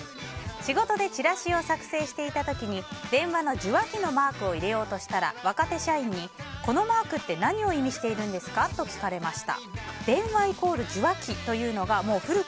仕事でチラシを作成していた時に電話の受話器のマークを入れようとしたら若手社員に、このマークって何を意味しているんですか？と聞かれました。